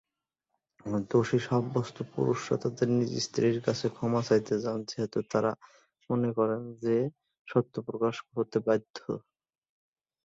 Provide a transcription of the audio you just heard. দোষী সাব্যস্ত পুরুষরা তাদের নিজ স্ত্রীর কাছে ক্ষমা চাইতে যান, যেহেতু তারা মনে করেন যে সত্য প্রকাশ হতে বাধ্য।